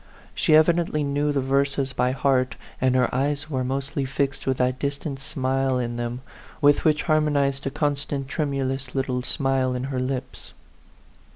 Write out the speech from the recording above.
She evidently knew the verses by heart, and her eyes were most ly fixed with that distant smile in them, with 62 A PHANTOM LOVER. which harmonized a constant tremulous little smile in her lips.